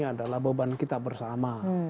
adalah beban kita bersama